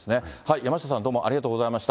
山下さん、どうもありがとうございました。